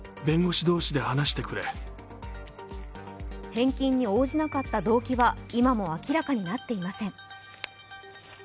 返金に応じなかった動機は今も明らかになっていません。